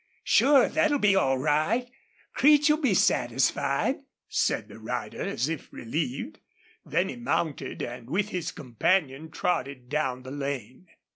Sure, thet'll be all right. Creech'll be satisfied," said the rider, as if relieved. Then he mounted, and with his companion trotted down the lane.